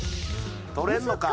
取れんのか？